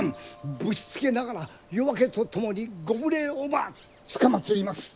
ぶしつけながら夜明けとともにご無礼をばつかまつります！